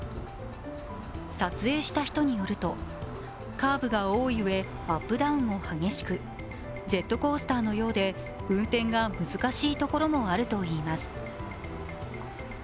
撮影した人によるとカーブが多い上、アップダウンも激しくジェットコースターのようで運転が難しいところもあるといいます。